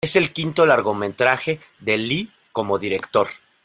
Es el quinto largometraje de Lee como director.